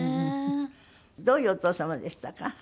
どういうお父様でしたか？